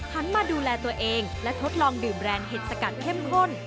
มาดูแลตัวเองและทดลองดื่มแรนด์เห็ดสกัดเข้มข้น